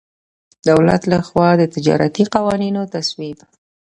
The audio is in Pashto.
دولت له خوا د تجارتي قوانینو تصویب.